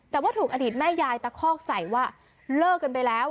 แต่ว่าถูกอดีตแม่ยายตะคอกใส่ว่าเลิกกันไปแล้ว